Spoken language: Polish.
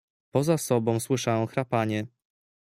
"Poza sobą słyszałem chrapanie."